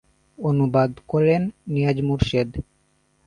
অনুবাদ করেন নিয়াজ মোরশেদ।